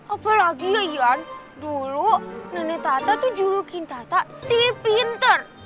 apalagi ya iyan dulu nenek tata tuh julukin tata si pintar